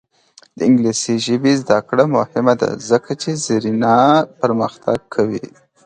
د انګلیسي ژبې زده کړه مهمه ده ځکه چې زیربنا پرمختګ کوي.